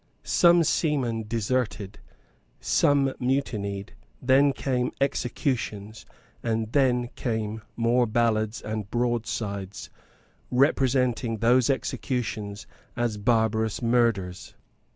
Some seamen deserted; some mutinied; then came executions; and then came more ballads and broadsides representing those executions as barbarous murders.